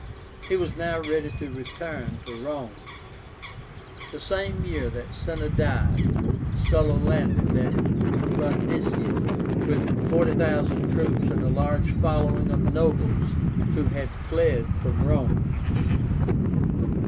He was now ready to return to Rome. The same year that Cinna died, Sulla landed at Brundisium, with 40,000 troops and a large following of nobles who had fled from Rome.